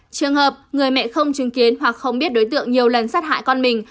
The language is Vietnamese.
trường hợp người mẹ không chứng kiến hoặc không biết đối tượng nhiều lần sát hại con mình